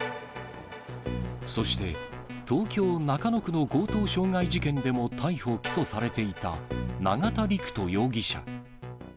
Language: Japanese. そして、東京・中野区の強盗傷害事件でも逮捕・起訴されていた永田陸人容疑者。